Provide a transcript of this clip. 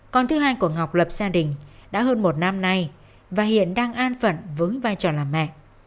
con thứ hai của ngọc lập gia đình đã hơn một năm nay và hiện đang an phận với vai trò là mẹ